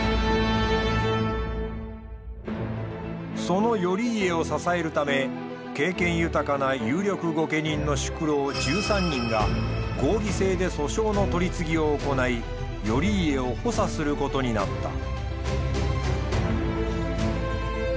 その頼家を支えるため経験豊かな有力御家人の宿老１３人が合議制で訴訟の取り次ぎを行い頼家を補佐することになった。